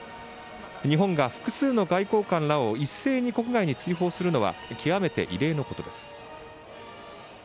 日本が複数の外交官らを一斉に国外追放するのは極めて異例のことです。